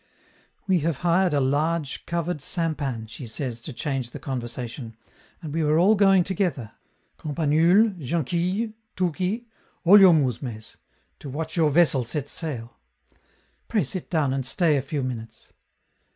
"We have hired a large, covered sampan," she says to change the conversation, "and we are all going together Campanule, Jonquille, Touki, all your mousmes to watch your vessel set sail. Pray sit down and stay a few minutes."